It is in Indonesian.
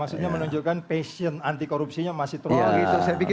itu hanya menunjukkan passion anti korupsinya masih terlalu